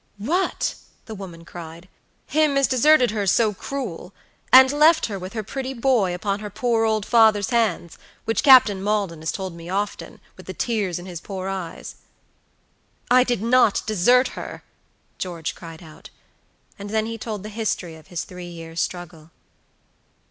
"What!" the woman cried; "him as deserted her so cruel, and left her with her pretty boy upon her poor old father's hands, which Captain Maldon has told me often, with the tears in his poor eyes?" "I did not desert her," George cried out; and then he told the history of his three years' struggle.